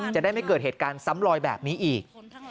จะได้ไม่เกิดเหตุการณ์ซ้ำลอยแบบนี้อีก